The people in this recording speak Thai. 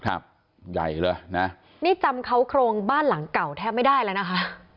ครับใหญ่เลยนะนี่จำเขาโครงบ้านหลังเก่าแทบไม่ได้แล้วนะคะ